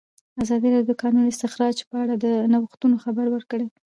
ازادي راډیو د د کانونو استخراج په اړه د نوښتونو خبر ورکړی.